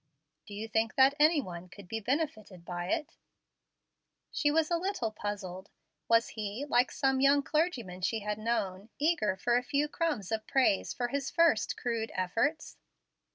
"Do you think that any one could be benefited by it?" She was a little puzzled. Was he, like some young clergy men she had known, eager for a few crumbs of praise for his first crude efforts?